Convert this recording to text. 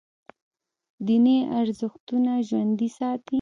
دیني ارزښتونه ژوندي ساتي.